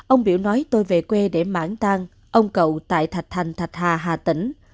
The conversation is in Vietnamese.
ông biểu nói tôi về quê để mãn tan ông cậu tại thạch thành thạch hà hà tĩnh